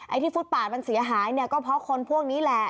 ที่ฟุตปาดมันเสียหายเนี่ยก็เพราะคนพวกนี้แหละ